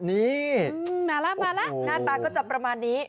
นี่มาแล้วมาแล้วหน้าตาก็จะประมาณนี้